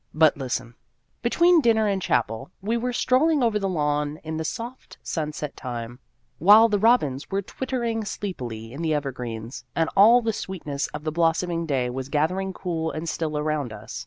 But listen ! Between dinner and chapel, we were strolling over the lawn in the soft sunset time, while the robins were twittering sleepily in the evergreens, and all the sweetness of the blossoming day was gathering cool and still around us.